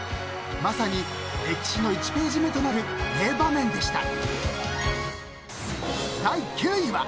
［まさに歴史の１ページ目となる名場面でした］